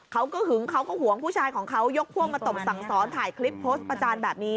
หึงเขาก็ห่วงผู้ชายของเขายกพวกมาตบสั่งสอนถ่ายคลิปโพสต์ประจานแบบนี้